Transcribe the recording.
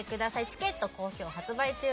チケット好評発売中です